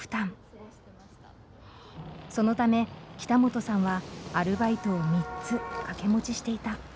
そのため北本さんはアルバイトを３つ掛け持ちしていた。